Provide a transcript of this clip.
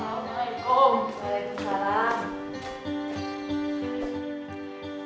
assalamualaikum warahmatullahi wabarakatuh